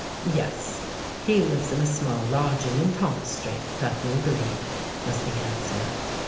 "Yes—he lives in a small lodging in Thomas Street, Bethnal Green," was the answer.